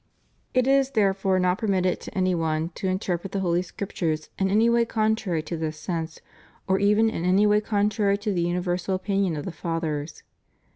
It is therefore not permitted to any one to interpret the Holy Scripture in any way contrary to this sense, or even in any way contrary to the universal opinion of the Fathers.".